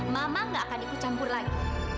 mama gak akan ikut campur lagi